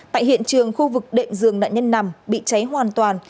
tại hiện trường khu vực đệm nạn nhân nằm bị cháy hoàn toàn